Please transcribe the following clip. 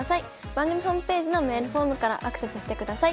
番組ホームページのメールフォームからアクセスしてください。